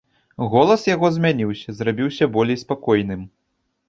Голас яго змяніўся, зрабіўся болей спакойным.